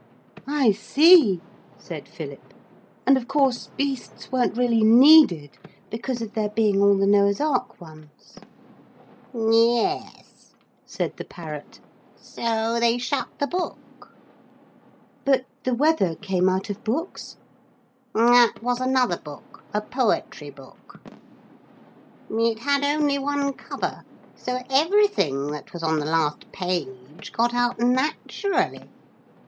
'I see,' said Philip; 'and of course beasts weren't really needed, because of there being all the Noah's Ark ones.' 'Yes,' said the parrot, 'so they shut the book.' 'But the weather came out of books?' 'That was another book, a poetry book. It had only one cover, so everything that was on the last page got out naturally.